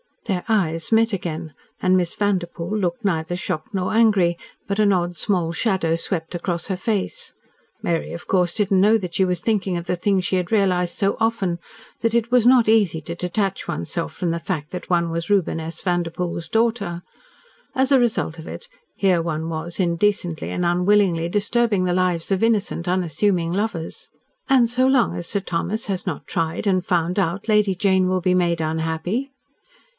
Their eyes met again, and Miss Vanderpoel looked neither shocked nor angry, but an odd small shadow swept across her face. Mary, of course, did not know that she was thinking of the thing she had realised so often that it was not easy to detach one's self from the fact that one was Reuben S. Vanderpoel's daughter. As a result of it here one was indecently and unwillingly disturbing the lives of innocent, unassuming lovers. "And so long as Sir Thomas has not tried and found out Lady Jane will be made unhappy?"